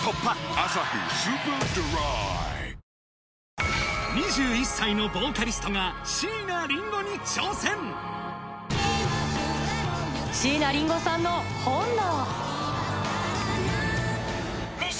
「アサヒスーパードライ」２１歳のヴォーカリストが、椎名林檎さんの本能。